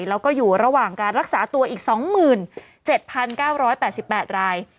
แล้วก็อยู่ระหว่างการรักษาตัวอีก๒๗๙๘๘ราย